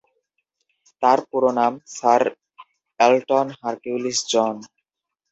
তার পুরো নাম স্যার এলটন হারকিউলিস জন।